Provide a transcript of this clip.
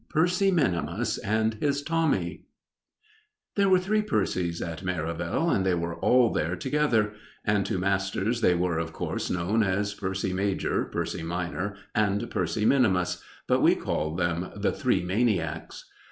PERCY MINIMUS AND HIS TOMMY There were three Percys at Merivale, and they were all there together; and to masters they were, of course, known as Percy major, Percy minor, and Percy minimus, but we called them "the Three Maniacs."